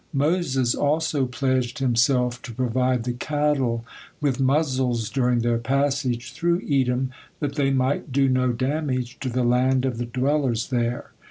Moses also pledged himself to provide the cattle with muzzles during their passage through Edom, that they might do no damage to the land of the dwellers there.